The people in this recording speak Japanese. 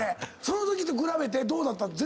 そのときと比べてどうだった？